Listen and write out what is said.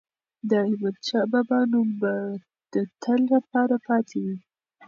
د احمدشاه بابا نوم به د تل لپاره پاتې وي.